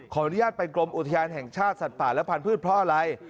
ขออนุญาตไปกรมอุทยานแห่งชาติสัตว์ป่าและพันธุ์เพราะอะไร